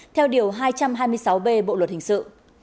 theo điều hai trăm hai mươi sáu b bộ luật hình sự